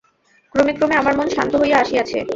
ক্রমে ক্রমে আমার মন শান্ত হইয়া আসিয়াছে।